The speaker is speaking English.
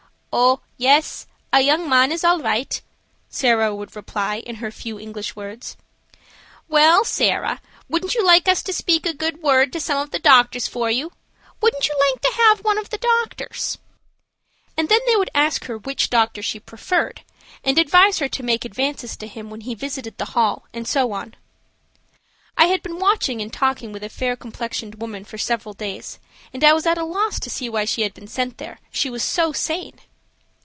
"Oh, yes; a young man is all right," Sarah would reply in her few English words. "Well, Sarah, wouldn't you like us to speak a good word to some of the doctors for you? Wouldn't you like to have one of the doctors?" And then they would ask her which doctor she preferred, and advise her to make advances to him when he visited the hall, and so on. I had been watching and talking with a fair complexioned woman for several days, and I was at a loss to see why she had been sent there, she was so sane.